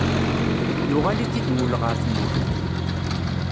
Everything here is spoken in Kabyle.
Yuɣal-ik-id wul ɣer tmurt.